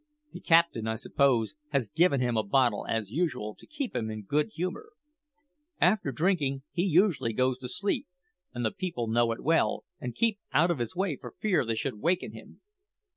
The captain, I suppose, has given him a bottle, as usual, to keep him in good humour. After drinkin' he usually goes to sleep, and the people know it well, and keep out of his way for fear they should waken him.